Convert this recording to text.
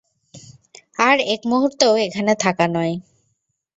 আর এক মুহূর্তও এখানে থাকা নয়।